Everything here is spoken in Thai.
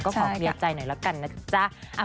ก็ขอเกลียดใจหน่อยละกันนะจ๊ะ